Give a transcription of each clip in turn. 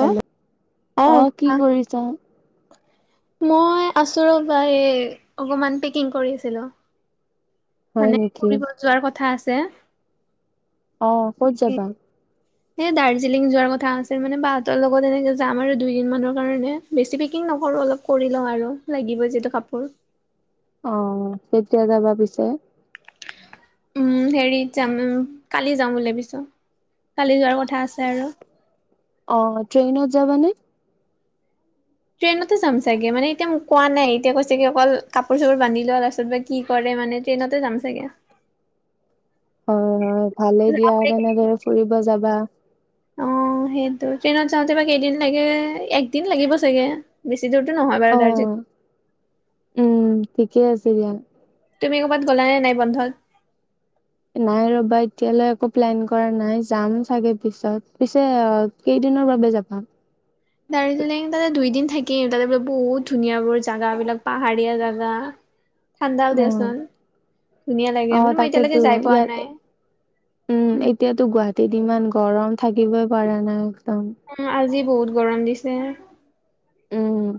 Hello অ কি কৰিছা? মই আছোঁ ৰবা এ অকমান পেকিং কৰি আছিলো। হয় মানে নেকি ফুৰিব যোৱাৰ কথা আছে। অঁ ক'ত যাবা? সেই দাৰ্জিলিং যোৱাৰ কথা আছে, মানে বাহঁতৰ লগত এনেকে যাম আৰু দুই দিনমানৰ কাৰণে। বেছি পেকিং নকৰোঁ অলপ কৰি লওঁ আৰু, লাগিবই যিহেতু কাপোৰ। অঁ কেতিয়া যাবা পিছে? উম হেৰিত যাম কালি যাম বুলি ভাবিছো, কালি যোৱাৰ কথা আছে আৰু। অঁ ট্ৰেইনত যাবানে? ট্ৰেইনতে যাম চাগে মানে এতিয়া মোক কোৱা নাই, এতিয়া কৈছে কি অকল কাপোৰ চাপোৰ বান্ধি ল তাৰপিছত বেগ কি কৰে মানে ট্ৰেইনতে যাম চাগে! হয় হয় ভালেই দিয়া চাগে। তেনেদৰে ফুৰিব যাবা। অ সেইটো ট্ৰেইনত যাওঁতে বা‌ কেইদিন লাগে? একদিন লাগিব চাগে! বেছি দূৰতো নহয় অ বাৰু দাৰজিল উম ঠিকে আছে দিয়া। তুমি ক'ৰবাত গলা নে নাই বন্ধত? নাই ৰবা এতিয়ালৈ একো প্লেন কৰা নাই যাম চাগে পিছত, পিছে কেইদিনৰ বাবে যাবা? দাৰ্জিলিং তাতে দুই দিন থাকিম, তাতে বোলে বহুত ধুনীয়া বোৰ জাগা বিলাক পাহাৰীয়া জাগা! ঠাণ্ডাও অঁ দিয়াচোন ধুনীয়া লাগে অঁ মানে মই এতিয়ালৈকে তাকেইটো যাই পোৱা ইয়াতে নাই। উম এতিয়াতো গুৱাহাটীত ইমান গৰম থাকিবই পৰা‌ নাই একদম! উম আজি বহুত গৰম দিছে! উম।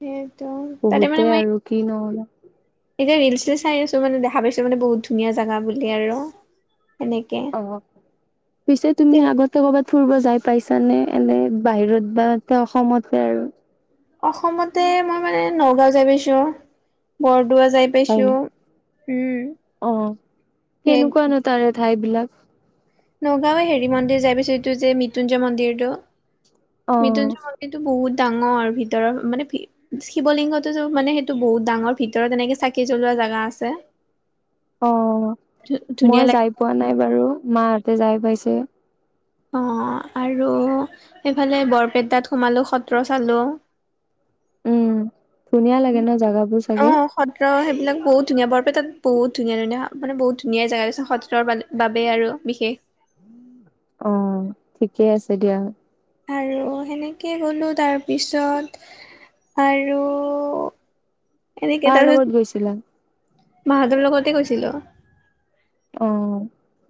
সেইটো তাতে বহুতে মানে মই আৰু কি নহ'ল এতিয়া ৰিলচ চাই আছো মানে দেখা পাইছো মানে বহুত ধুনীয়া জাগা বুলি আৰু সেনেক অহ পিছে তুমি আগত ক'ৰবাত ফুৰিব যায় পাইছানে এনে বাহিৰত বা এ অসমতে আৰু? অসমতে মই মানে নগাঁও যায় পাইছো, বৰদোৱা যায় পাইছো। উম। অঁ সেই কেনেকুৱানো তাৰে ঠাই বিলাক? নগাঁওৱে হেৰি মন্দিৰ যায় পাইছোঁ এইটো যে মৃতিত্যুঞ্জয় মন্দিৰটো অ মৃত্যুঞ্জয় মন্ এইটো বহুত ডাঙৰ ভিতৰৰ মানে শিৱলিংগতো মানে সেইটো বহুত ডাঙৰ ভিতৰত এনেকে চাকি জ্বলোৱা জেগা আছে। অঁ ধু- মই ধুনীয়া লাগে যায় পোৱা নাই বাৰু মাহতে যায় পাইছে। অঁ আৰু এইফালে বৰপেটাত সোমালো সত্ৰ চালো। উম ধুনীয়া লাগে ন জাগাবোৰ অ চাগে? সত্ৰ সেইবিলাক বহুত ধুনীয়া বৰপেটাত বহুত ধুনীয়া ধুনীয়া মানে বহুত ধুনীয়া জেগা আছে সত্ৰ মানে বাবে আৰু বিশেষ অ ঠিকে আছে দিয়া। আৰু সেনেকেই গ'লো তাৰপিছত। আৰু। এনেকে কাৰ লগত গৈছিলা তাৰপিছত মা হঁতৰ লগতে গৈছিলো। অ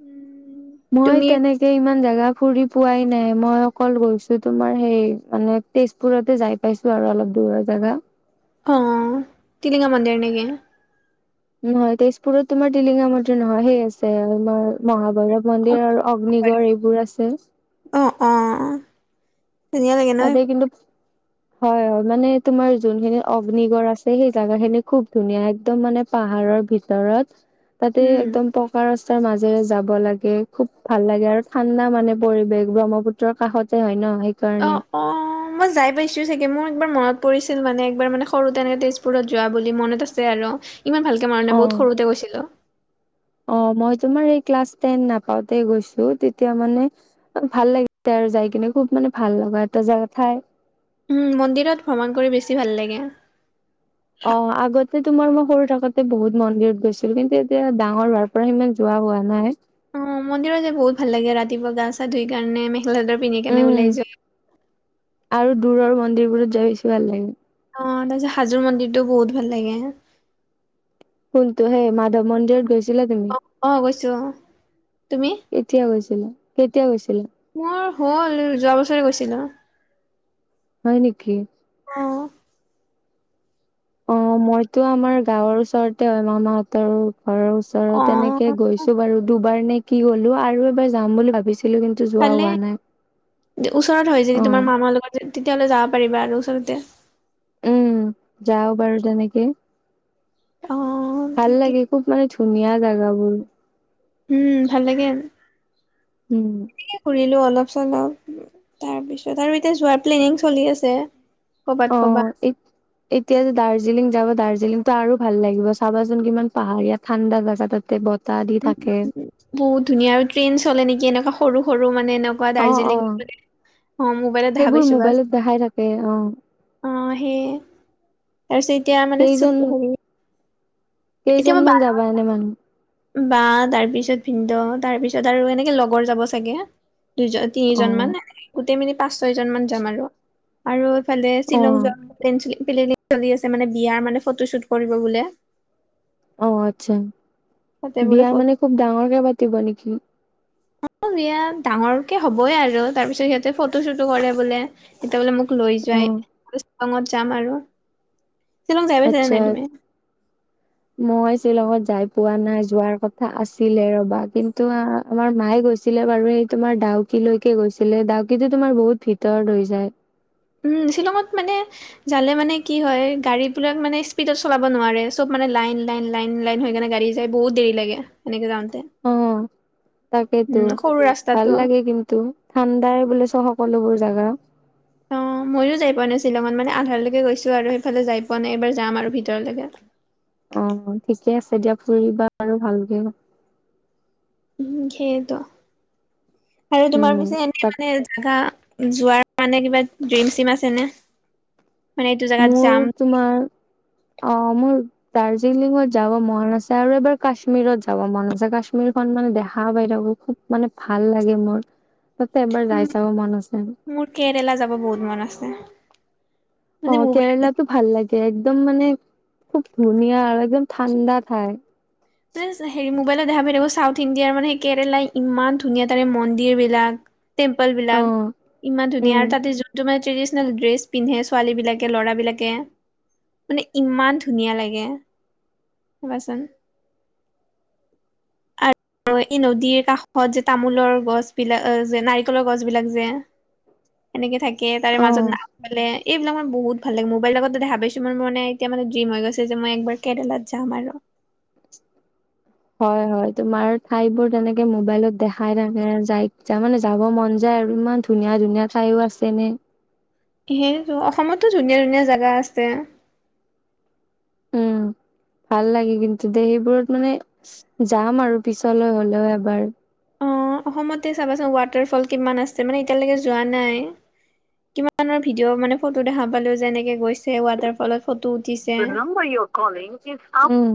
উম, মই তুমি তেনেক। এতিয়া ইমান জোগা ফুৰি পোৱাই নাই মই অকল গৈছো তোমাৰ সেই মানে। তেজপুৰতে যাই পাইছোঁ আৰু অলপ দূৰৰ জেগা। অঁ তিলিঙা মন্দিৰৰ নেকি? নহয় তেজপুৰত তোমাৰ টিলিঙা মন্দিৰ নহয়, সেই আছে মহাভৈৰৱ। মন্দিৰ আৰু অগ্নিগড় এইবোৰ আছে। অহঁ, অঁহ। তাতে কিন্তু। হয়, হয় মানে তোমাৰ যোনখিনি অগ্নিগড় আছে সেই জোগা খিনি খুব ধুনীয়া একদম মানে। পাহাৰৰ ভিতৰত তাতে উম একদম। ৰাস্তাৰ মাজেৰে যাব লাগে খুব ভাল লাগে আৰু ঠাণ্ডা মানে পৰিবেশ ব্ৰহ্মপুত্ৰ। ব্ৰহ্মপুত্ৰৰ কাষতে হয় ন। অ, সেইকাৰণে অ। মই যাই পাইছোঁ চাগে মোৰ একবাৰ মনত পৰিছিল মানে একবাৰ মানে সৰুতেনেকে তেজপুৰত যোৱা বুলি মনত আছে আৰু। ইমান ভালকৈ মনত অ নাই বহুত সৰুতে গৈছিলোঁ। অ মই তোমাৰ এই ক্লাছ টেন নাপাওঁতে গৈছোঁ তেতিয়া মানে। ভাল লাগিছে আৰু যাই কিনে খুব মানে ভাল লগা এটা জেগা ঠাই। উম মন্দিৰত ভ্ৰমণ কৰি বেছি ভাল লাগে। অ আগতে তোমাৰ মই সৰু থাকোতে বহুত মন্দিৰত গৈছিলো কিন্তু এতিয়া ডাঙৰ হোৱাৰ। ত পৰা সিমান যোৱা হোৱা নাই। অ মন্দিৰত যে বহুত ভাল লাগে ৰাতিপুৱা গা চা ধুই কাৰণে মেখেলা চাদৰ পিন্ধি কাৰণে উম ওলাই যোৱা। আৰু দূৰৰ মন্দিৰবোৰত যাই পিছো ভাল লাগে। অ তাৰপিছত হাজোৰ মন্দিৰটো বহুত ভাল লাগে। কোনটো সেই মাধৱ মন্দিৰত গৈছিলা তুমি। অ অ গৈছোঁ তুমি। কেতিয়া গৈছিলোঁ কেতিয়া গৈছিলোঁ। মোৰ হ'ল যোৱা বছৰে গৈছিলোঁ। হয় নেকি। অ'হ। অ মইতো আমাৰ গাঁৱৰ ওচৰতে হয়, মামাহঁতৰ। ঘৰৰ ওচৰত অ এনেকে গৈছো বাৰু দুবাৰ নে কি গলোঁ আৰু এবাৰ যাম বুলি ভাবিছিলোঁ কিন্তু। যোৱা ভালে হোৱা নাই ওচৰত হয় যদি হয় অ তোমাৰ মামাৰ লগত তেতিয়াহলে যাব পাৰিবা আৰু ওচৰতে। যাব বাৰু তেনেকে। অ। ভাল ঠিকে লাগে খুব মানে ধুনীয়া জাগাবোৰ। উম ভাল লাগে‌ আৰু। উম। ঘূৰিলো অলপ চলপ তাৰ পিছত আৰু এতিয়া যোৱাৰ প্লেনিং চলি আছে। ক'বাত অ ক'বাত। এই এতিয়া যে দাৰ্জিলিং যাব দাৰ্জিলিংতটো আৰু ভাল লাগিব চাবাচোন কিমান পাহাৰ ইয়াত ঠাণ্ডা গাজা তাতে ব। উম, বহুত ধুনীয়া আৰু ট্ৰেইন চলে নেকি, এনেকুৱা সৰু সৰু মানে এনে কোৱা, অ অ দাৰ্জিলিঙ অ, মোবাইলত সেইবোৰ ভাবিছো বাছ। মোবাইলত দেখাই থাকে অ, অ, সেইয়ে তাৰপিছত এতিয়া মানে [inaudible] কেইজন এতিয়া মই বা কেইজনমান যাবা এনে মানুহ। বা তাৰ পিছত ভিনদেউ, তাৰ পিছত আৰু এনেকে লগৰ যাব চাগে। দুইজন, অ তিনিজন মান গোটেই মিনি পাঁচ ছয় জন মান যাম আৰু, আৰু। ইফালে অ শ্বিলং যোৱা প্লেন, প্লেনিং চলি আছে, মানে বিয়াৰ মানে ফটোশ্বুট কৰিব বোলে। অ, আচ্ছা তাতে বোলে বিয়া ফটো মানে খুব ডাঙৰকে পাতিব নেকি? বিয়াত ডাঙৰকে হ'বই আৰু তাৰ পিছত সিহঁতে ফটো চটো কৰে বোলে, তেতিয়া বোলে মোক লৈ অ যাৱাই শ্বিলঙত যাম আৰু। শ্বিলং যাই পাইছানে আচ্ছা। নাই তুমি? মই শ্বিলঙত যাই পোৱা নাই, যোৱাৰ কথা আছিলে ৰবা, কিন্তু আমাৰ মায়ে গৈছিল। ছিলে বাৰু, এই তোমাৰ ডাউকি লৈকে গৈছিলে, ডাউকি তোমাৰ বহুত ভিতৰত হৈ যায়। উম, শ্বিলঙত মানে যালে মানে কি হয়, গাড়ী বিলাক মানে স্পীডত চলাব নোৱাৰে, চব মানে লাইন, লাইন, লাইন, লাইন, হৈ কেনে গাড়ী বহুত দেৰি লাগে এনেকে যাওঁতে। অ, তাকেতো উম সৰু ভাল ৰাস্তাটো লাগে কিন্তু। ঠাণ্ডাই বুলে চ, সকলোবোৰ জাগা। অ, মইয়ো যাই পোৱা নাই শ্বিলঙত মানে, আধাৰালৈকে গৈছো আৰু সেইফালে যাই পোৱা নাই এইবাৰ যাম আৰু ভিতৰলৈকে। অ, ঠিকে আছে দিয়াক, ফুৰিবা আৰু ভালকে। উম, সেইয়টো আৰু তোমাৰ উম পিছে এ ই, তাক মানে জোগা, যোৱাৰ মানে কিবা ড্ৰিম-চিম আছে নে? মানে এইটো জেগাত মোৰ যাম তোমাৰ অ, মোৰ দাৰ্জিলিঙত যাব মন আছে আৰু এবাৰ কাশ্মীৰত যাব মন আছে, কাশ্মীৰখন মানে দেখা পাই থাকো, খুব। মানে ভাল লাগে মোৰ, তাতে একবাৰ উম, যাই চাব মন আছে। মোৰ কেৰেলা যাব বহুত মন আছে। অ, মানে মোবাইল কেৰেলাতো ভাল লাগে, একদম মানে খুব ধুনীয়া আৰু একদম ঠাণ্ডা ঠাই। হেৰি মোবাইলত দেখা পাই থাকো, চাউথ ইণ্ডিয়াৰ মানে কেৰেলা ইমান ধুনীয়া তাৰে মন্দিৰ বিলাক। টেম্পেল অ বিলাক, ইমান ধুনীয়া উম আৰু তাতে যোনটো মানে ট্ৰেডিচনেল ড্ৰেছ পিন্ধে, ছোৱালী বিলাকে ল'ৰাবলাকে। মানে ইমান ধুনীয়া লাগে, ভাৱাচোন। [inaudible] [inaudible] এই নদীৰ কাষত যে, তামোলৰ গছ বিলাক যে, নাৰিকলৰ গছ বিলাক যে। সেনেকে থাকে, তাৰে অ মাজত নাম পালে এইবিলাক মোৰ বহুত ভাল লাগে, মোবাইল দেখা পাইছো এতিয়া মানে ড্ৰিম হৈ গৈছে, যে মই একবাৰ কেৰালাত যাম আৰু। হয় হয় তোমাৰ ঠাই বোৰ তেনেকে মোবাইলত দেখাই থাকে যায়। তাৰমানানে যাব মন যায় আৰু ইমান ধুনীয়া, ধুনীয়া ঠাইও আছে এনেই। সেইটো অসমতো ধুনীয়া, ধুনীয়া জেগা আছে। উম, ভাল লাগে কিন্তু দেই, সেইবোৰত মানে যাম আৰু পিছলৈ হ'লেও এবাৰ। অ অসমতে চাবাচোন ৱাটাৰ ফল কিমান আছে, মানে এতিয়ালৈকে যোৱা নাই। কিমানৰ ভিডিঅ' মানে ফটো দেখা পালো, যেনেকে গৈছে ৱাটাৰ ফলত। ফটো উঠিছ [inaudible] উম,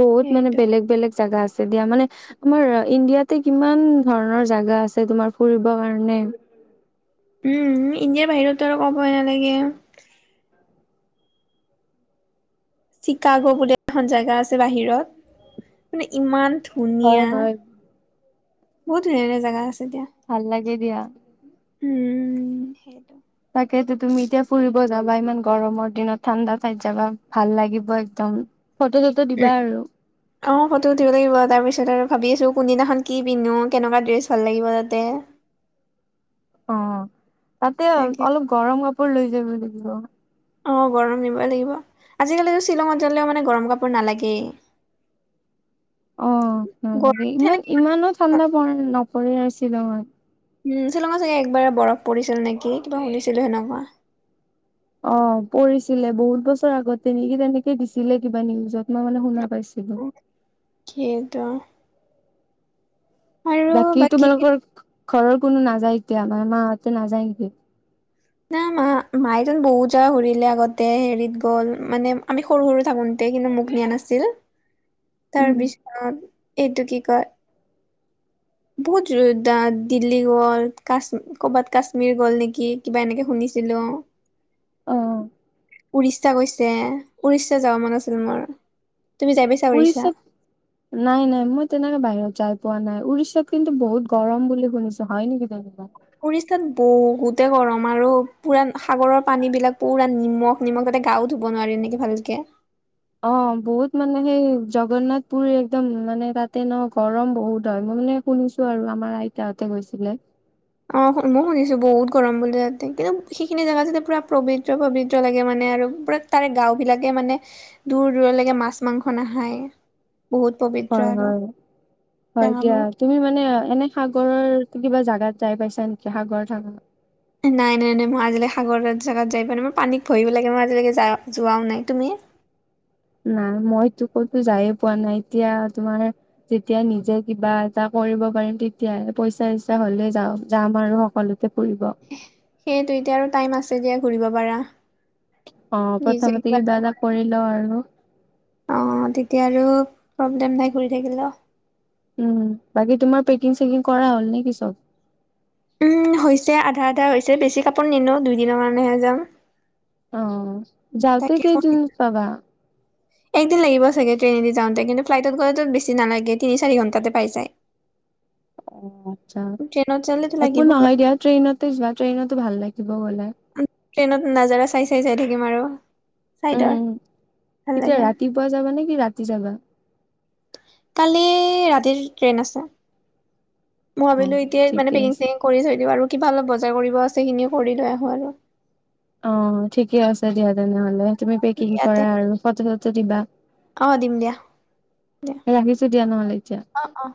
বহুত মানে সেইটো বেলেগ, বেলেগ জাগা আছে। দিয়া মানে আমাৰ ইণ্ডিয়াতে কিমান ধৰণৰ জোগা আছে তোমাৰ ফুৰিবৰ কাৰণে উম ইণ্ডিয়াৰ বাহিৰতো আৰু ক'বই নালাগে। চিকাগো বুলি এখন জেগা আছে বাহিৰত মানে ইমান হয় ধুনীয়া হয় বহুত ধুনীয়া ধনীয়া জাগা আছে দিয়া। ভাল লাগে দিয়া। উম সেইটো। তাকেতো তুমি এতিয়া ফুৰিব যাবা ইমান গৰমৰ দিনত ঠাণ্ডা ঠাইত যাবা ভাল লাগিব একদম। ফটো চটো উম দিবা আৰু। অ ফটো উঠিব লাগিব। তাৰ পিছত আৰু ভাবি আছো কোনদিনাখন কি পিন্ধো কেনেকুৱা ড্ৰেছ ভাল লাগিব তাতে। অ তাতে তাকে অলপ গৰম কাপোৰ লৈ যাব লাগিব। অ গৰম নিবই লাগিব। আজিকালি শ্বিলঙত গ'লে মানে গৰম কাপোৰ নালাগেই। [inaudible] অ নালাগে গৰমত ইমান সেনেকে ইমানো ঠাণ্ডা নপৰে আৰু শ্বিলঙত। উম শ্বিলংত চাগে একবাৰে বৰফ পৰিছিল নেকি কিবা শুনিছিলো সেনেকুৱা। অ পৰিছিলে বহুত বছৰ আগতে নেকি তেনেকে দিছিলে কিবা নিউজত মই মানে শুনা পাইছিলোঁ। সেইটো। বাকী তোমালোকৰ ঘৰৰ কোনো নাযায় এতিয়া মানে মাহতে নাযায় নেকি? না মা মায়তো বহুত জেগা ঘুৰিলে আগতে হেৰিত গ'ল মানে আমি সৰু সৰু থাকোঁতে কিন্তু মোক নিয়া নাছিল। উম তাৰপিছত এইটো কি কয় [inaudible] বহুত দা দিল্লী গ'ল কাশ্ম ক'বাত কাশ্মীৰ গ'ল নেকি কিবা এনেকে শুনিছিলো [inaudible] উৰিষ্যা গৈছে উৰিষ্যা যাব মন আছিল মোৰ। তুমি‌ যাই পাইছা? উৰিষ্যা উৰিষ্যাত নাই নাই মই তেনেকে বাহিৰত যাই পোৱা নাই। উৰিষ্যাত কিন্তু বহুত গৰম বুলি শুনিছো হয় নেকি তেনেকোৱা? উৰিষ্যাত বহুতে গৰম আৰু পুৰা সাগৰৰ পানী বিলাক পুৰা নিমখ নিমখ তাতে গাও ধুব নোৱাৰি এনেকৈ ভালকে। অ বহুত মানে সেই জগন্নাথ পুৰ একদম মানে তাতে ন গৰম বহুত হয়। মই মানে শুনিছোঁ আৰু আমাৰ আইতাহতে গৈছিলে। অ মই শুনিছো বহুত গৰম বুলি তাতে কিন্তু সেইখিনি জেগা যাতে পুৰা পবিত্ৰ পবিত্ৰ লাগে মানে আৰু পুৰা তাৰে গাওঁ বিলাকে মানে দূৰ দূৰলৈকে মাছ মাংস নাখায়। বহুত হয়, পবিত্ৰ আৰু হয়, হয় দিয়া, জগাবোৰ। তুমি মানে এনে সাগৰৰ কিবা জাগাত যাই পাইছা নেকি সাগৰ থকা। নাই নাই নাই মই আজিলৈ সাগৰ জাগাত যাই পোৱা নাই। মই পানী ভয়ো লাগে মই আজিলৈকে যা যোৱাও নাই। তুমি? নাই মইতো কতো যায়ে পোৱা নাই। এতিয়া তোমাৰ যেতিয়া নিজে কিবা এটা কৰিব পাৰিম তেতিয়া পইচা ইচ্ছা হ'লে যাওঁ যাম আৰু সকলো তে ফুৰিব। সেইটো এতিয়া আৰু টাইম আছে দিয়া ঘূৰিব পাৰা। অ প্ৰথমতে কিবা এটা কৰিল আৰু। অ তেতিয়া আৰু প্ৰব্লেম নাই ঘূৰি থাকিলেও। উম বাকী তোমাৰ পেকিং-চেকিং কৰা হ'ল নে কি চব? উম হৈছে। আধা আধা হৈছে বেছি কাপোৰ নিনো দুইদিনৰ কাৰণেহে যাম। অ যাওঁতে তাকে কেইদিনত পাবা? একদিন লাগিব চাগে ট্ৰেইনেদি যাওঁতে, কিন্তু ফ্লাইটত গ'লেটো বেছি নালাগে তিনি-চাৰি ঘণ্টাতে পাই যায়। [inaudible] অ' আচ্ছা, ট্ৰেইনত যালেতো একো লাগিব অলপ নহয় দিয়া ট্ৰেইনতে যোৱা। ট্ৰেইনতো ভাল লাগিব গ'লে। ট্ৰেইনত নাজাৰা চাই চাই যাই থাকিম আৰু। চাইডৰ উম। ভাল এতিয়া লাগে ৰাতিপুৱা যাবা নে কি, ৰাতি যাবা? কালি ৰাতিৰ ট্ৰেইন আছে। মই অ ভাবিলোঁ এতিয়াই মানে ঠিকে আছে। পেকিং-চেকিং - কৰি থৈ দিওঁ। আৰু কিবা অলপ বজাৰ কৰিব আছে, সেইখিনিও কৰি লৈ আহোঁ আৰু। অ' ঠিকে আছে দিয়া তেনেহলে। তুমি পেকিং ইয়াতে কৰা আৰু, ফটো-চটো দিবা। অ', দিম দিয়া। ৰাখিছোঁ দিয়া নহ'লে এতিয়া। অহ অহ।